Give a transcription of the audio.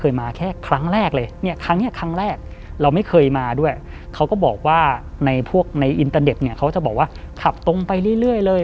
อยู่อินเตอร์เน็ตเขาจะบอกว่าขับตรงไปเรื่อยเลย